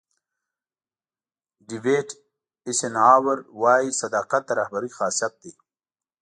ډیوېټ ایسنهاور وایي صداقت د رهبرۍ خاصیت دی.